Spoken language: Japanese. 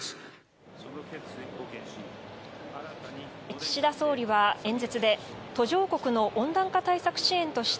岸田総理は演説で途上国の温暖化対策支援として